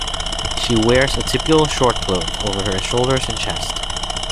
She wears a typical short cloak over her shoulders and chest.